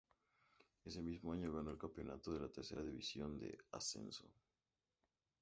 Ese mismo año ganó el campeonato de Tercera División de Ascenso.